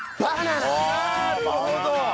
なるほど！